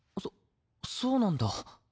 そそうなんだ。